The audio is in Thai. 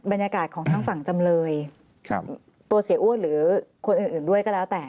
บรรยากาศของทางฝั่งจำเลยตัวเสียอ้วนหรือคนอื่นด้วยก็แล้วแต่